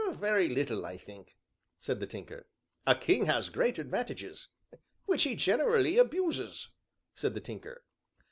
"Very little, I think," said the Tinker. "A king has great advantages." "Which he generally abuses," said the Tinker.